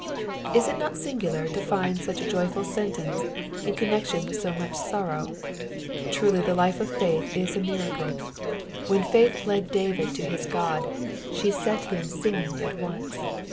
'''' Is it not singular to find such a joyful sentence in connection with so much sorrow ? Truly the life of faith is a miTHcle. When faith led David to his Qod, she set him sinfpng at once.